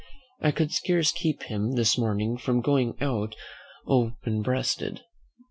I could scarce keep him this morning from going out open breasted."